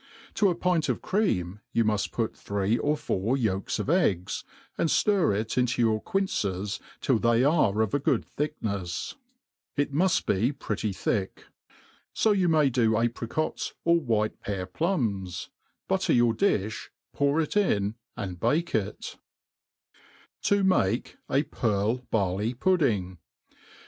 To a pint of cream you muft put three or four yolks of eggs, and ftir it into your quinces till they ^ve of a good thicknefs. It muft be pretty thick, MADE PLAIN AND EASY. Uf $o you may io apricots or whilc^pear plums. Boiter joor di(h, poiif it to and bake U; To mate a Piorl^BarUy^PudSng.